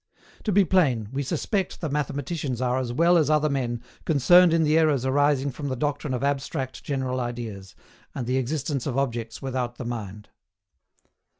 To be plain, we suspect the mathematicians are as well as other men concerned in the errors arising from the doctrine of abstract general ideas, and the existence of objects without the mind.